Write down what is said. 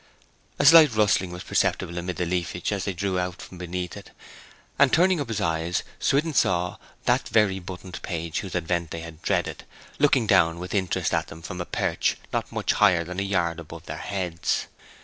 A slight rustling was perceptible amid the leafage as they drew out from beneath it, and turning up his eyes Swithin saw that very buttoned page whose advent they had dreaded, looking down with interest at them from a perch not much higher than a yard above their heads.